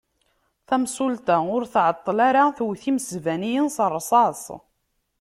Tamsulta ur tɛeṭṭel ara twet imesbaniyen s rrṣas.